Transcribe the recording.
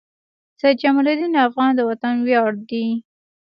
سيد جمال الدین افغان د وطن وياړ دي.